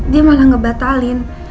dia malah ngebatalin